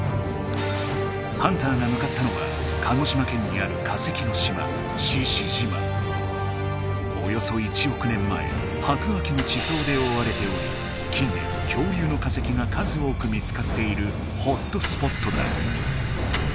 ハンターがむかったのは鹿児島県にあるおよそ１おく年前白亜紀のちそうでおおわれており近年恐竜の化石が数多く見つかっているホットスポットだ。